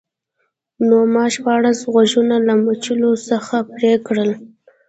نو ما شپاړس غوږونه له مجلو څخه پرې کړل